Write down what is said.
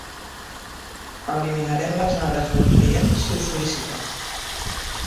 Eliminarem les dades del client si ho sol·licita.